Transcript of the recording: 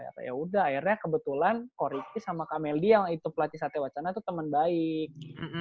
ya udah akhirnya kebetulan ko riki sama kamel d yang itu pelatih satya wacana itu temen baik